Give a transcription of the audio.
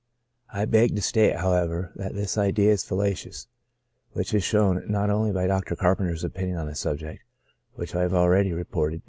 / beg y6 CHRONIC ALCOHOLISM. to state^ however^ that this idea is fallacious^ which is shown, not only by Dr. Carpenter's opinion on the subject, which I have already reported (p.